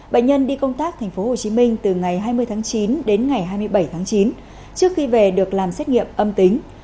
bệnh nhân đi công tác thành phố hồ chí minh từ ngày hai mươi tháng chín đến ngày hai mươi bảy tháng chín trước khi về được làm xét nghiệm âm tính